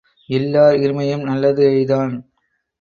இல்லார் இருமையும் நல்லது எய்தான்.